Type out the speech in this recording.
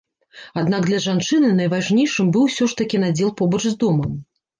Аднак для жанчыны найважнейшым быў усё ж такі надзел побач з домам.